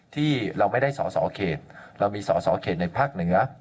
ที่เราไม่ได้สอสอเขตเรามีสอสอเขตในภาคเหนือ